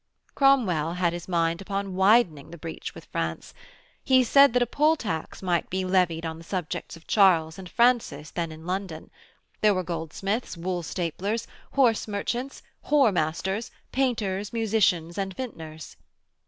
Cromwell had his mind upon widening the breach with France. He said that a poll tax might be levied on the subjects of Charles and Francis then in London. There were goldsmiths, woolstaplers, horse merchants, whore masters, painters, musicians and vintners....